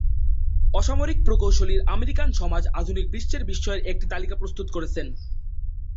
অসামরিক প্রকৌশলীর আমেরিকান সমাজ আধুনিক বিশ্বের বিস্ময়ের একটি তালিকা প্রস্তুত করেছেন।